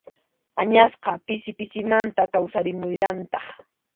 Añasqa pisi pisimanta kawsarimullantaq.